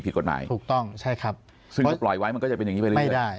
ผิดกฎหมายถูกต้องใช่ครับแบบไว้มันก็จะเป็นง่ายไม่ได้